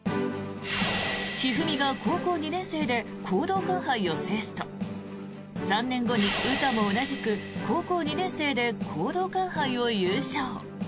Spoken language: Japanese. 一二三が高校２年生で講道館杯を制すと３年後に詩も同じく高校２年生で講道館杯を優勝。